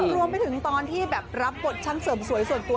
รวมไปถึงตอนที่แบบรับบทช่างเสริมสวยส่วนตัว